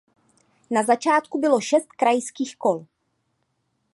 Na začátku bylo šest krajských kol.